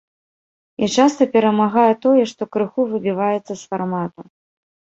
І часта перамагае тое, што крыху выбіваецца з фармату.